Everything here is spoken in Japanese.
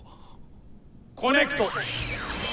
・コネクト！